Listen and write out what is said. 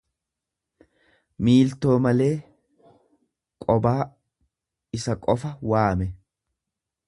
miiltoo malee, qobaa; Isa qofa waame.